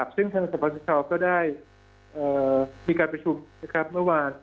ซึ่งทางสปชก็ได้มีการประชุมเมื่อวาน